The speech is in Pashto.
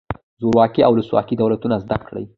زورواکي او ولسواکي دولتونه زده کړئ.